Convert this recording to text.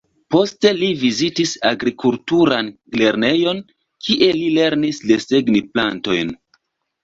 Poste li vizitis agrikulturan lernejon, kie li lernis desegni plantojn.